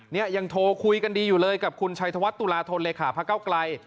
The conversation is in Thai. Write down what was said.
เนี่ยยังโทรคุยกันดีอยู่เลยกับคุณชัยธวัฒนตุลาธนเลขาพระเก้าไกล